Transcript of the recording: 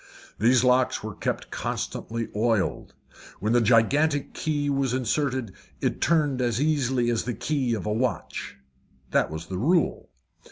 These locks were kept constantly oiled. When the gigantic key was inserted, it turned as easily as the key of a watch that was the rule.